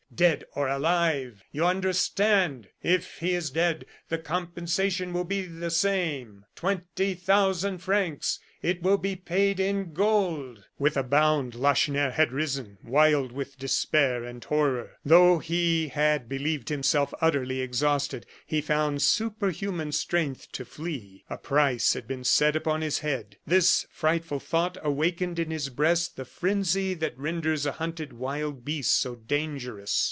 Dead or alive, you understand. If he is dead, the compensation will be the same; twenty thousand francs! It will be paid in gold." With a bound, Lacheneur had risen, wild with despair and horror. Though he had believed himself utterly exhausted, he found superhuman strength to flee. A price had been set upon his head. This frightful thought awakened in his breast the frenzy that renders a hunted wild beast so dangerous.